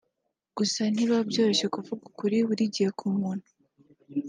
gusa ntibyoroshye kuvuga ukuri buri gihe ku muntu